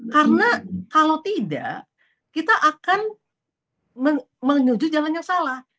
karena kalau tidak kita akan menuju jalan yang salah